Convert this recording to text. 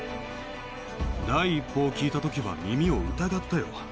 第一報を聞いたときは、耳を疑ったよ。